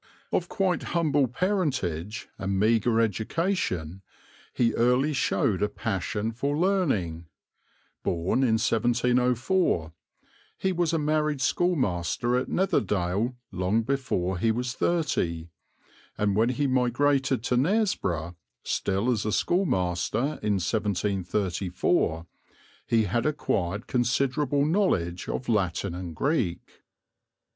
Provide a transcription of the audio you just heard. Of quite humble parentage and meagre education, he early showed a passion for learning. Born in 1704, he was a married schoolmaster at Netherdale long before he was thirty, and when he migrated to Knaresborough, still as a schoolmaster, in 1734, he had acquired considerable knowledge of Latin and Greek.